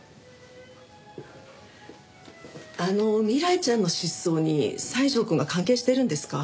あの未来ちゃんの失踪に西條くんが関係してるんですか？